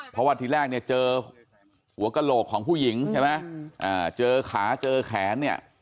เพราะว่าที่แรกเนี่ยเจอหัวกระโหลกของผู้หญิงใช่ไหมเจอขาเจอแขนเนี่ย